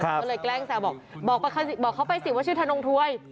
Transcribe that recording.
ก็เลยแกล้งแซวบอกเขาไปสิว่าชื่อธนงถวย